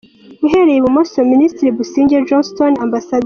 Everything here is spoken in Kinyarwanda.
Uhereye ibumoso: Minisitiri Busingye Jonston, Amb.